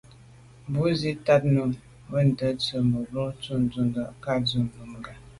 Mùní bə́ á tá'’jú zǎ nunm wîndə́ nə̀ tswə́ mə̀bró tɔ̌ yù tǔndá kā á nun sə̂' bû ncà.